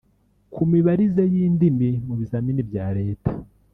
Ku mibarize y’indimi mu bizamini bya Leta